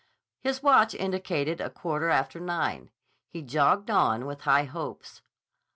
His watch indicated a quarter after nine. He jogged on with high hopes.